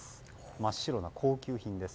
真っ白な高級品です。